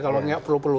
kalau nggak perlu perlu